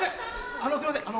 あのすいません。